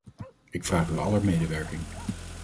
Ik vraag uw aller medewerking.